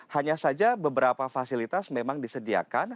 hanya saja beberapa fasilitas memang disediakan